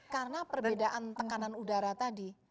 karena perbedaan tekanan udara tadi